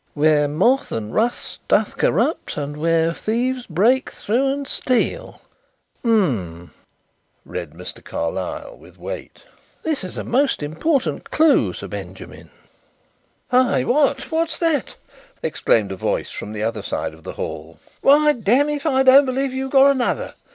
"' where moth and rust doth corrupt and where thieves break through and steal.' H'm," read Mr. Carlyle with weight. "This is a most important clue, Sir Benjamin " "Hey, what? What's that?" exclaimed a voice from the other side of the hall. "Why, damme if I don't believe you've got another!